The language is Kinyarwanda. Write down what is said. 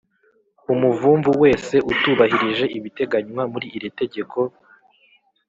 umuvumvu wese utubahirije ibiteganywa muri iri tegeko